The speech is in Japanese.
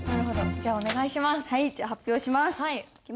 じゃあお願いします。